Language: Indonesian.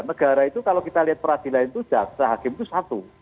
negara itu kalau kita lihat peradilan itu jaksa hakim itu satu